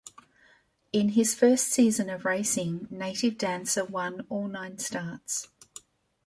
In his first season of racing, Native Dancer won all nine starts.